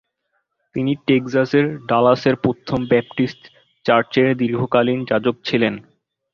তিনি টেক্সাসের ডালাসের প্রথম ব্যাপটিস্ট চার্চের দীর্ঘকালীন যাজক ছিলেন।